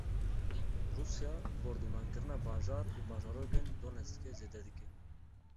Rûsya bordûmankirina bajar û bajarokên Donetskê zêde dike.